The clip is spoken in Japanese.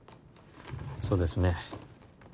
そうですね